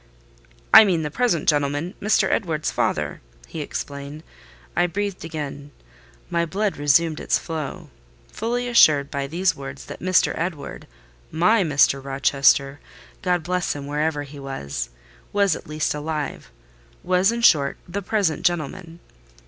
"I mean the present gentleman, Mr. Edward's father," he explained. I breathed again: my blood resumed its flow. Fully assured by these words that Mr. Edward—my Mr. Rochester (God bless him, wherever he was!)—was at least alive: was, in short, "the present gentleman."